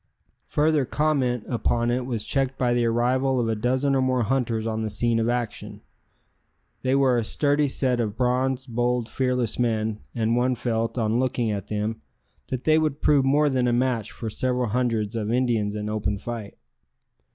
Further comment upon it was checked by the arrival of a dozen or more hunters on the scene of action. They were a sturdy set of bronzed, bold, fearless men, and one felt, on looking at them, that they would prove more than a match for several hundreds of Indians in open fight.